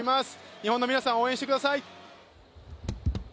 日本の皆さん、応援してください！